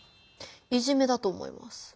いじめだと思います。